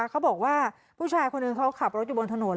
เขาบอกว่าผู้ชายคนหนึ่งเขาขับรถอยู่บนถนน